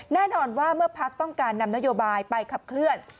แน่นอนว่าเมื่อพักต้องการนำนโยบายไปขับเคลื่อน